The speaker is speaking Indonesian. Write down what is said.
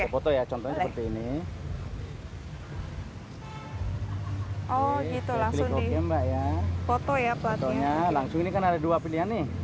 foto nya langsung ini kan ada dua pilihan nih